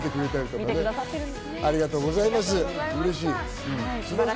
ありがとうございます。